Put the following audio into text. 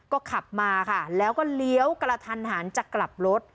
ก็ขับมาค่ะแล้วก็เลี้ยวกระทันหันจะกลับรถ